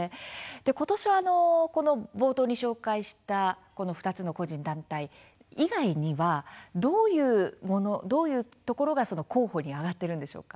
ことしは冒頭に紹介した２つの個人、団体以外にはどういうところが候補に挙がっているんでしょうか。